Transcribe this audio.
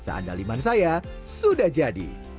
pisa andaliman saya sudah jadi